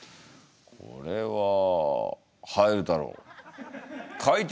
これは入るだろう。